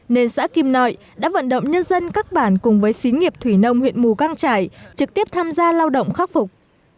nên xã kim nội đã vận động nhân dân các bản cùng với xí nghiệp thủy nông huyện mù căng trải trực tiếp tham gia lao động khắc phục